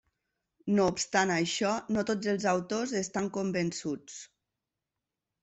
No obstant això, no tots els autors estan convençuts.